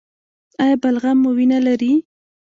ایا بلغم مو وینه لري؟